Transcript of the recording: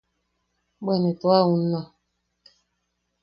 Bwe ne tua unna...